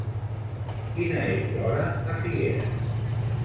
Quina és l'hora a Figueres?